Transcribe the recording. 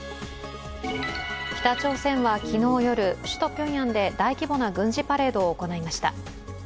北朝鮮は昨日夜、首都ピョンヤンで大規模な軍事パレードを行いました。